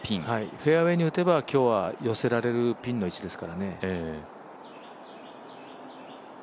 フェアウエーに打てば今日は寄せられるピンの位置ですからね。